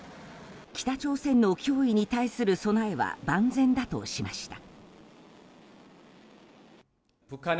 北朝鮮の脅威に対する備えは万全だとしました。